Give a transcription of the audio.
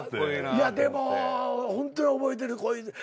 いやでもホントに覚えてる。